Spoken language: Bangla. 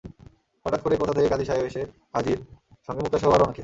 হঠাৎ করেই কোথা থেকে কাজি সাহেব এসে হাজির, সঙ্গে মুক্তাসহ আরও অনেকে।